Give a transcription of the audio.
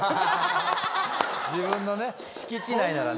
自分のね敷地内ならね。